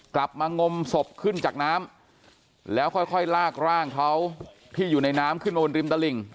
กลับมางมศพขึ้นจากน้ำแล้วค่อยลากร่างเขาที่อยู่ในน้ำขึ้นมาบนริมตลิ่ง